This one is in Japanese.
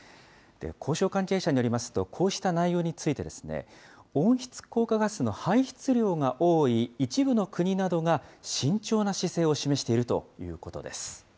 交渉関係者によりますと、こうした内容について、温室効果ガスの排出量が多い一部の国などが、慎重な姿勢を示しているということです。